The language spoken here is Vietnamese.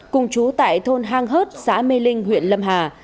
cùng chú tại thôn hang hớt xã mê linh huyện lâm hà